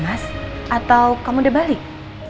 mas atau kamu udah balik